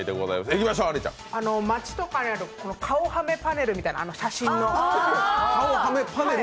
街とかにある顔はめパネルみたいな、写真の。